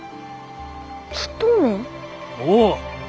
おう！